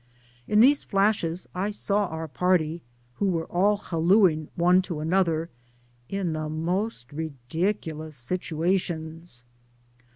In these flashes I saw our party, who were all hallooing one to another, in the most ludicrous situations.